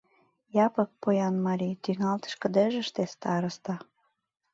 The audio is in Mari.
Япык — поян марий, тӱҥалтыш кыдежыште — староста.